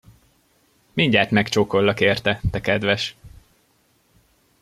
Mindjárt megcsókollak érte, te kedves!